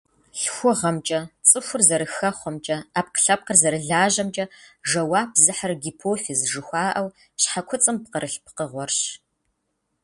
ЛъхугъэмкӀэ, цӀыхур зэрыхэхъуэмкӀэ, Ӏэпкълъэпкъыр зэрылажьэмкӀэ жэуап зыхьыр гипофиз жыхуаӀэу, щхьэкуцӀым пкъырылъ пкъыгъуэрщ.